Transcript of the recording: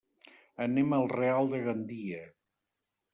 Anem al Real de Gandia.